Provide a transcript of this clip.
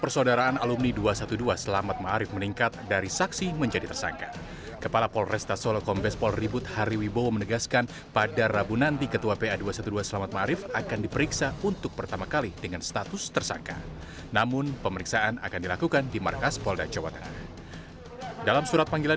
selamat pagi selamat pagi